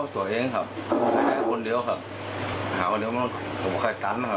จมูกกะต้องอุดจงกะ